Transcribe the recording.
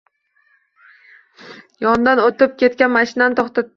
Yonidan oʻtib ketgan mashinani toʻxtatdi.